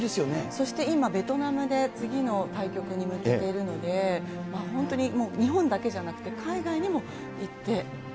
そして今、ベトナムで次の対局に向けているので、本当にもう、日本だけじゃなくて、海外にも行って。